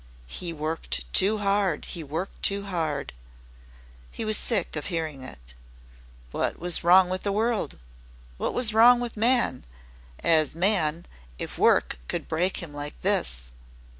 "He worked too hard he worked too hard." He was sick of hearing it. What was wrong with the world what was wrong with man, as Man if work could break him like this?